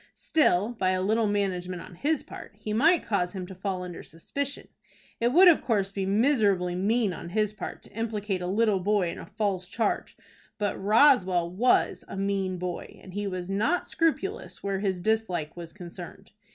Still, by a little management on his part, he might cause him to fall under suspicion. It would of course be miserably mean on his part to implicate a little boy in a false charge; but Roswell was a mean boy, and he was not scrupulous where his dislike was concerned.